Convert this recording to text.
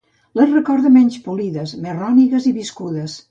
Les recorda menys polides, més rònegues i viscudes.